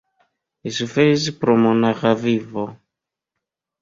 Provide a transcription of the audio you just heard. Li suferis pro monaĥa vivo.